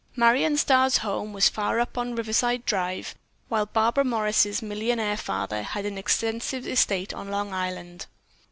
Marion Starr's home was far up on Riverside Drive, while Barbara Morris' millionaire father had an extensive estate on Long Island.